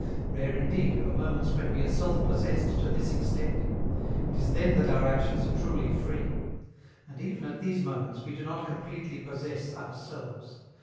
Rare indeed are the moments when we are self possessed to this extent: it is then that our actions are truly free. And even at these moments we do not completely possess ourselves.